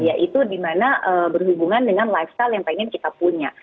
yaitu di mana berhubungan dengan lifestyle yang ingin kita punya